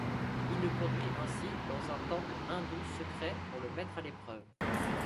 Il le conduit ainsi dans un temple hindou secret pour le mettre à l'épreuve.